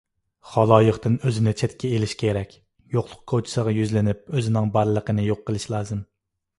خالايىقتىن ئۆزىنى چەتكە ئېلىش كېرەك، يوقلۇق كوچىسىغا يۈزلىنىپ، ئۆزىنىڭ بارلىقىنى يوق قىلىش لازىم.